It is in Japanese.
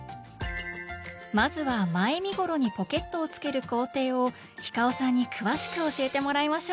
まずは前身ごろにポケットをつける工程をｈｉｃａｏさんに詳しく教えてもらいましょう！